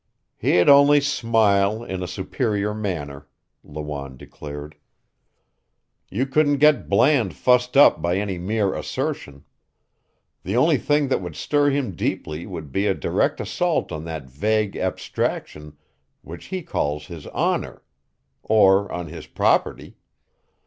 "He'd only smile in a superior manner," Lawanne declared. "You couldn't get Bland fussed up by any mere assertion. The only thing that would stir him deeply would be a direct assault on that vague abstraction which he calls his honor or on his property.